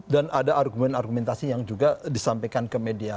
dan ada argumen argumentasi yang juga disampaikan ke media